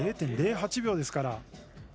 ０．０８秒ですから。